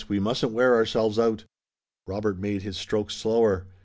We mustn't wear ourselves out!" Robert made his strokes slower.